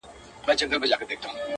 ستا دی که قند دی؛